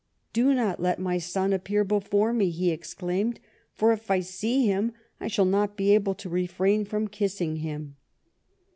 " Do not let my son appear before me," he exclaimed, "for if I see him, I shall not be able to refrain from kissing him."